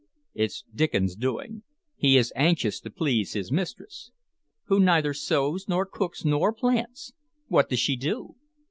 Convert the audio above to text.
"It's Diccon's doing. He is anxious to please his mistress." "Who neither sews, nor cooks, nor plants! What does she do?"